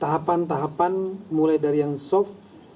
tahapan tahapan mulai dari yang soft